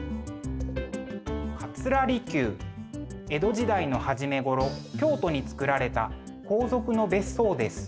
江戸時代の初めごろ京都に造られた皇族の別荘です。